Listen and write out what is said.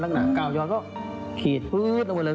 ตั้งนานก้าวยอดก็ขีดให้เล่นไปเลย